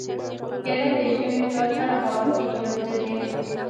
هیلۍ د ژمي په سړه هوا کې جنوب ته ځي